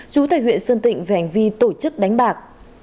chú thầy huyện sơn tịnh về hành vi tổ chức đánh bạc